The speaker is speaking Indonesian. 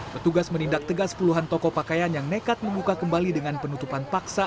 petugas menindak tegas puluhan toko pakaian yang nekat membuka kembali dengan penutupan paksa